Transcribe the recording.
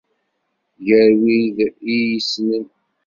Gar wid i iyi-issnen.